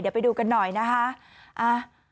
เดี๋ยวไปดูกันหน่อยนะคะ